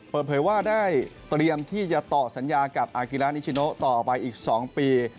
เปิดเผยว่าได้เตรียมที่จะต่อสัญญากับอากิรานิชิโนต่อไปอีก๒ปี